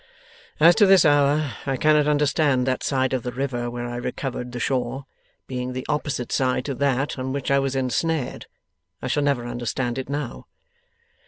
'As to this hour I cannot understand that side of the river where I recovered the shore, being the opposite side to that on which I was ensnared, I shall never understand it now.